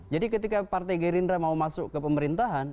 ketika partai gerindra mau masuk ke pemerintahan